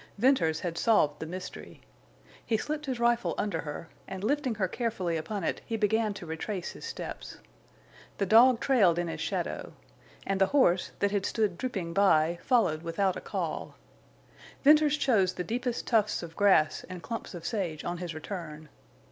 Venters had solved the mystery. He slipped his rifle under her, and, lifting her carefully upon it, he began to retrace his steps. The dog trailed in his shadow. And the horse, that had stood drooping by, followed without a call. Venters chose the deepest tufts of grass and clumps of sage on his return.